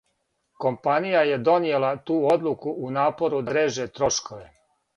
Компанија је донијела ту одлуку у напору да среже трошкове.